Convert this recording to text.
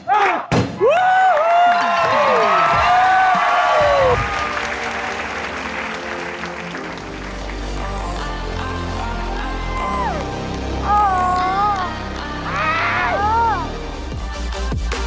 โอ้โฮโอ้โฮโอ้โฮโอ้โฮ